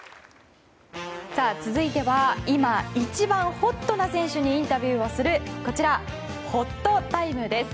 続いては今、一番ホットな選手にインタビューをするほっとタイムです。